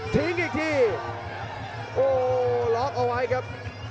ทิ้งอีกทีโอ้โหล็อกเอาไว้ครับ